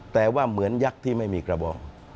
แต่ว่าเหมือนยักษ์ที่ไม่มีกระบอง